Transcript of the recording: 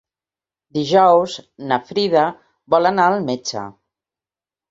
Dijous na Frida vol anar al metge.